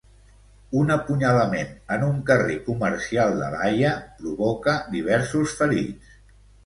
Un apunyalament en un carrer comercial de l'Haia provoca diversos ferits.